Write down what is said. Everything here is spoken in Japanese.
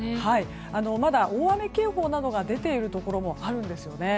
まだ、大雨警報などが出ているところもあるんですね。